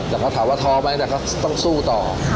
แต่เขาถามว่าท้อไหมแต่ก็ต้องสู้ต่อ